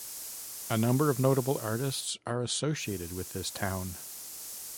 A number of notable artists are associated with this town.